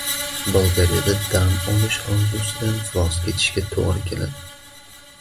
Bolgariyada dam olish orzusidan voz kechishga to‘g‘ri keladi